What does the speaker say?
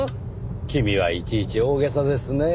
君はいちいち大げさですねぇ。